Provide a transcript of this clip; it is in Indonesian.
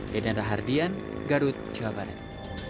deden rahardian garut jawa barat